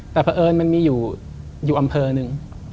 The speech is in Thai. แต่เพราะเอิญมันมีอยู่อำเภอหนึ่ง